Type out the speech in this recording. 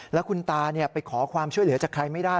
แล้วคุณตาไปขอความช่วยเหลือจากใครไม่ได้